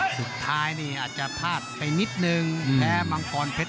สุดท้ายนี่อาจจะพลาดไปนิดนึงแพ้มังกรเพชร